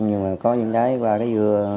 nhưng mà có những cái qua cái dưa